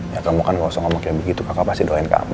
ya kamu kan kosong ngomong kayak begitu kakak pasti doain kamu